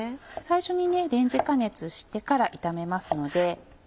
最初にレンジ加熱してから炒めますので。